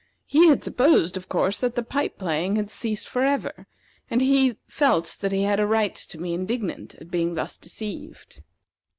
He had supposed, of course, that the pipe playing had ceased forever, and he felt that he had a right to be indignant at being thus deceived.